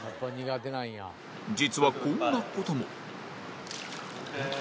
実はこんな事も